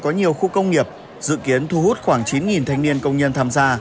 có nhiều khu công nghiệp